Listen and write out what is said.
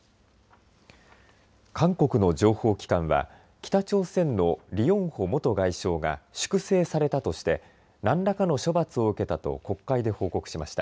韓国の情報機関は北朝鮮のリ・ヨンホ元外相が粛清されたとして何らかの処罰を受けたと国会で報告しました。